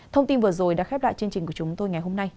thông tin vừa rồi đã khép lại chương trình của chúng tôi ngày hôm nay